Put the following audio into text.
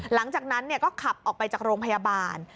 หลังจากนั้นก็ขับออกไปจากโรงพยาบาล